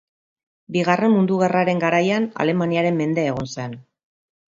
Bigarren Mundu Gerraren garaian Alemaniaren mende egon zen.